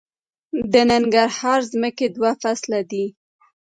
د ننګرهار ځمکې دوه فصله دي